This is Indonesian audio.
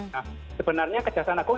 nah sebenarnya kejaksana agung